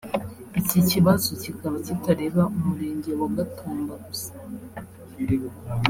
Iki kibazo kikaba kitareba Umurenge wa Gatumba gusa